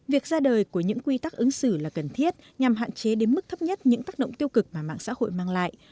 việc ra đời của những quy tắc ứng xử là cần thiết nhằm hạn chế đến mức thấp nhất những tác động tiêu cực mà mạng xã hội mang lại